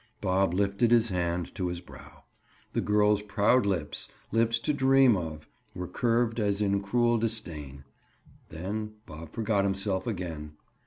Bob lifted his hand to his brow. The girl's proud lips—lips to dream of—were curved as in cruel disdain. Then Bob forgot himself again.